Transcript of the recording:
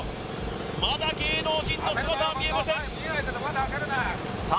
まだ芸能人の姿は見えませんさあ